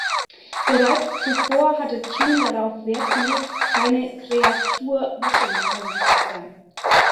Bereits zuvor hatte Thune darauf Wert gelegt, keine „Kreatur Washingtons“ zu sein.